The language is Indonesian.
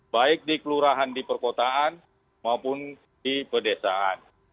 baik di kelurahan di perkotaan maupun di pedesaan